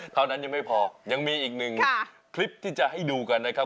เท่านั้นยังไม่พอยังมีอีกหนึ่งคลิปที่จะให้ดูกันนะครับ